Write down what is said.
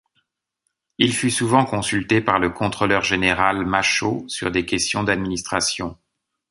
Il fut souvent consulté par le contrôleur général Machault sur des questions d'administration.